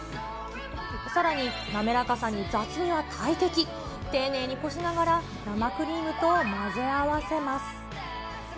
さらに滑らかさに雑味は大敵、丁寧にこしながら、生クリームと混ぜ合わせます。